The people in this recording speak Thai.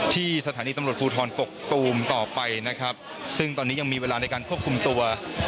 ที่สถานีตำรวจภูทรกกตูมต่อไปนะครับซึ่งตอนนี้ยังมีเวลาในการควบคุมตัว